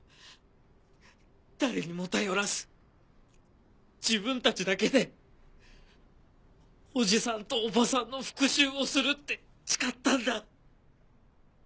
誰にも頼らず自分たちだけでおじさんとおばさんの復讐をするって誓ったんだ。